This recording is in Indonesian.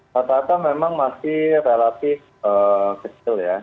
rata rata memang masih relatif kecil ya